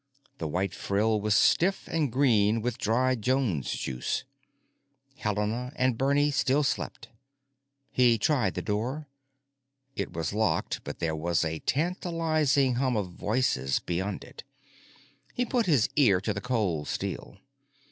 The white frill was stiff and green with dried Jones Juice. Helena and Bernie still slept. He tried the door. It was locked, but there was a tantalizing hum of voices beyond it. He put his ear to the cold steel.